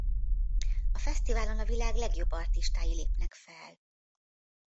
A fesztiválon a világ legjobb artistái lépnek fel.